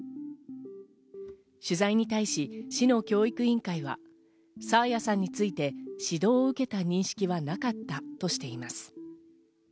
取材に対し市の教育委員会は、爽彩さんについて指導を受けた認識はなかったとしています。